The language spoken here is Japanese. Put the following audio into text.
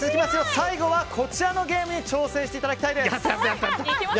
最後はこちらのゲームに挑戦していただきたいです。